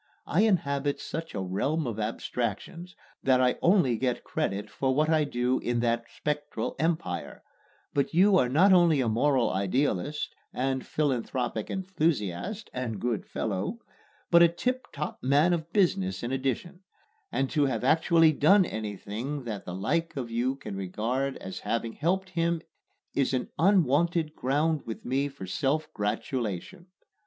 I inhabit such a realm of abstractions that I only get credit for what I do in that spectral empire; but you are not only a moral idealist and philanthropic enthusiast (and good fellow!), but a tip top man of business in addition; and to have actually done anything that the like of you can regard as having helped him is an unwonted ground with me for self gratulation.